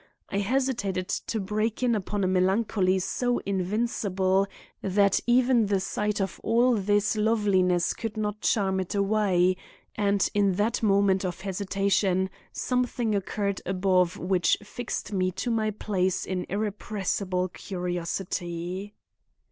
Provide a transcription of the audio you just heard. I hesitated to break in upon a melancholy so invincible that even the sight of all this loveliness could not charm it away, and in that moment of hesitation something occurred above which fixed me to my place in irrepressible curiosity.